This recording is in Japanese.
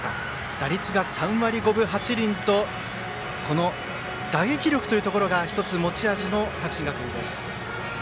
打率が３割５分８厘と打撃力というところが１つ、持ち味の作新学院です。